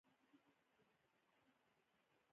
نورستان د افغانستان د ولایاتو په کچه یو توپیر لري.